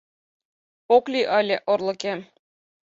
Ок лий ыле орлыкем...»